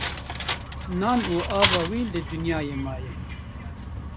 Nan û ava wî li dinyayê maye